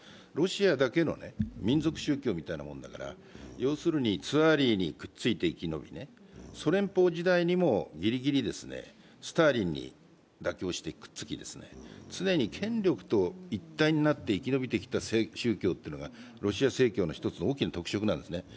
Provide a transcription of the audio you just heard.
ロシアだけの民族宗教みたいなものだからツァーリにくっついて生き延び、ソ連邦時代にもギリギリ、スターリンに妥協してくっつき、常に権力と一体になって生き延びてきたというのがロシア正教の一つの大きな特色なんですね。